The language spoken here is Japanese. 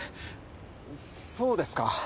そうですか？